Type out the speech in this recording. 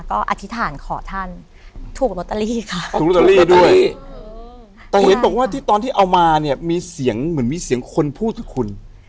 ก็อธิษฐานขอท่านถูกลอตเตอรี่ค่ะถูกลอตเตอรี่ด้วยแต่เห็นบอกว่าที่ตอนที่เอามาเนี่ยมีเสียงเหมือนมีเสียงคนพูดกับคุณ